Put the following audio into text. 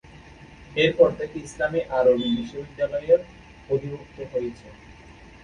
এরপর থেকে ইসলামি আরবি বিশ্ববিদ্যালয়ের অধিভুক্ত হয়েছে।